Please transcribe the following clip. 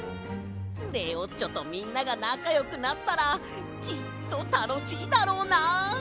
レオッチョとみんながなかよくなったらきっとたのしいだろうなあ。